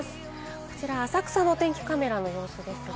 浅草のお天気カメラの様子ですが。